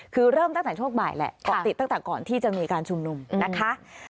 คือเริ่มตั้งแต่ช่วงบ่ายแหละเกาะติดตั้งแต่ก่อนที่จะมีการชุมนุมนะคะ